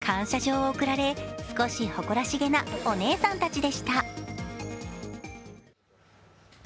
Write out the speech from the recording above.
感謝状を贈られ、少し誇らしげなお姉さんたちでした。